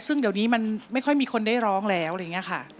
ซึ่งเดี๋ยวนี้มันไม่ค่อยมีคนได้ร้องแล้วอะไรอย่างนี้ค่ะ